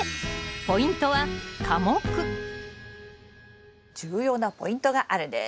ポイントは重要なポイントがあるんです。